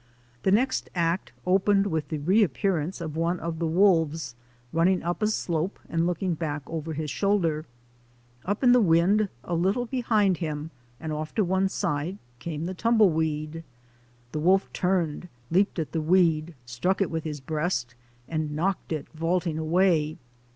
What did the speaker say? The next act opened with the re appearance of one of the wolves running up a slope and looking back over his shoulder. Up in the wind, a little behind him and off to one side, came the tumble weed. The wolf turned, leaped at the weed, struck it with his breast, and knocked it vaulting away.